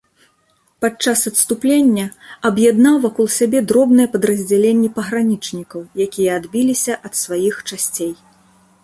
Падчас адступлення аб'яднаў вакол сябе дробныя падраздзяленні пагранічнікаў, якія адбіліся ад сваіх часцей.